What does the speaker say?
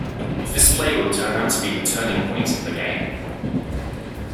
This play would turn out to be the turning point in the game.